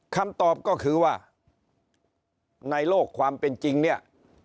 คำตอบก็คือว่าในโลกความเป็นจริงเนี่ย